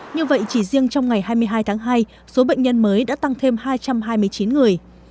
như vậy chỉ riêng trong ngày hai mươi hai tháng hai số bệnh nhân mới đã tăng thêm hai trăm hai mươi chín người